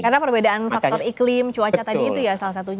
karena perbedaan faktor iklim cuaca tadi itu ya salah satunya